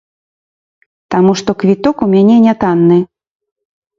Таму што квіток у мяне не танны.